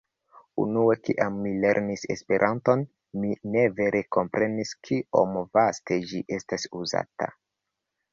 Unue, kiam mi lernis Esperanton, mi ne vere komprenis kiom vaste ĝi estas uzata.